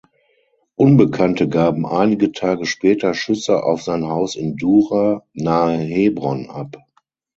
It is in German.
Unbekannte gaben einige Tage später Schüsse auf sein Haus in Dura (nahe Hebron) ab.